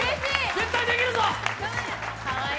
絶対できるぞ！